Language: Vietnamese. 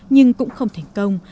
nhưng cũng không thành công